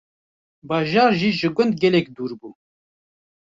bajar jî ji gund gelek dûr bû.